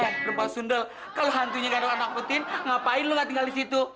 eh lupa sundel kalau hantunya nggak nakutin ngapain lo nggak tinggal di situ